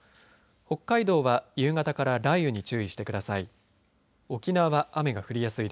北海道は夕方から雷雨に注意してください。